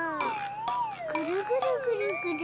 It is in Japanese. ぐるぐるぐるぐる。